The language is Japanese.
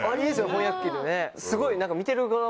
翻訳機でね。